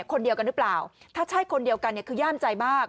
คนเดียวกันหรือเปล่าถ้าใช่คนเดียวกันเนี่ยคือย่ามใจมาก